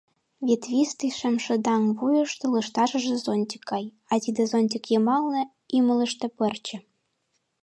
Ветвистый шемшыдаҥ вуйышто лышташыже зонтик гай, а тиде зонтик йымалне, ӱмылыштӧ — пырче.